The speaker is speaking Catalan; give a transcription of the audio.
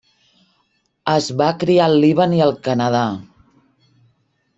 Es va criar al Líban i al Canadà.